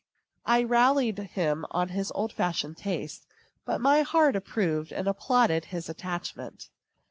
I rallied him on his old fashioned taste, but my heart approved and applauded his attachment.